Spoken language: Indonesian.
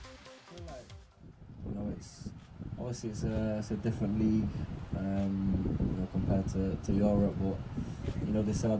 jelas ini adalah sebuah perang yang berbeda berbanding dengan eropa